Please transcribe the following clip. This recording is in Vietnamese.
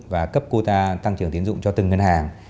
và cấp quota tăng trưởng tiến dụng cho từng ngân hàng